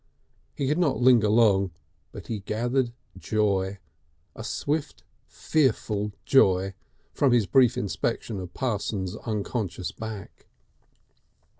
He could not linger long, but he gathered joy, a swift and fearful joy, from his brief inspection of Parsons' unconscious back.